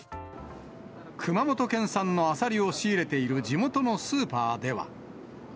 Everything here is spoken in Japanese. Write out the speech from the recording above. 熊本県産のアサリを仕入れている地元のスーパーでは。